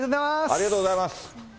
ありがとうございます。